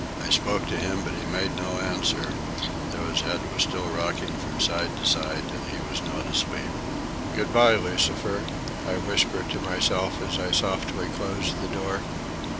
I spoke to him, but he made no answer, though his head was still rocking from side to side and he was not asleep. "Good bye, Lucifer," I whispered to myself as I softly closed the door.